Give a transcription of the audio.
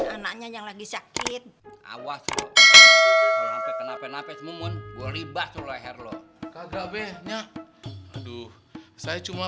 anaknya yang lagi sakit awas kok kenapa kenapa semua gue ribas leher lo kagak be nya aduh saya cuma